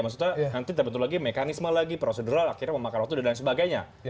maksudnya nanti terbentuk lagi mekanisme lagi prosedural akhirnya memakan waktu dan lain sebagainya